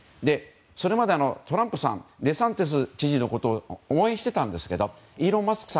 それまで、トランプさんデサンティス知事のことを応援してたんですがイーロン・マスク